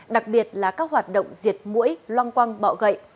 đặc biệt là các hoạt động diệt mũi loang quang bọ gậy